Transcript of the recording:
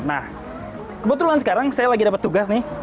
nah kebetulan sekarang saya lagi dapat tugas nih